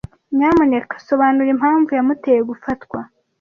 Nyamuneka sobanura impamvu yamuteye gufatwa.